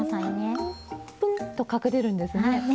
プンと隠れるんですね。